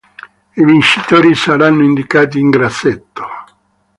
I vincitori saranno indicati in grassetto.